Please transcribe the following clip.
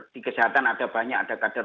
di kesehatan ada banyak ada kader